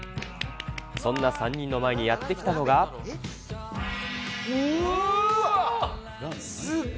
そんな３人の前にやって来たうーわっ。